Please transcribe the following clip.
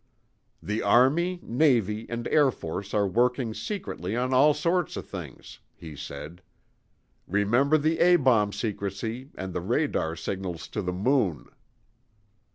"The Army, Navy, and Air Force are working secretly on all sorts of things," he said. "Remember the A bomb secrecy—and the radar signals to the moon."